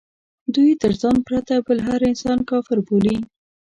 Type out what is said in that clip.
دوی تر ځان پرته بل هر انسان کافر بولي.